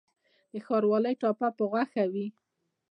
د ښاروالۍ ټاپه په غوښه وي؟